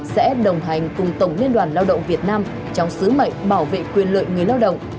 sẽ đồng hành cùng tổng liên đoàn lao động việt nam trong sứ mệnh bảo vệ quyền lợi người lao động